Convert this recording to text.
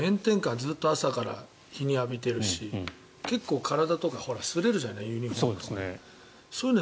ずっと朝から日浴びてるし結構、体とかすれるじゃないユニホームとかで。